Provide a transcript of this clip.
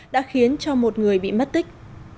đã khiến cho một người bị mất tích